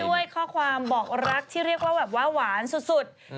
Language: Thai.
พร้อมด้วยข้อความบอกรักที่เรียกว่าหวานสุด